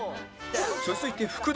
続いて福田